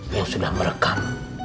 yang sudah merekam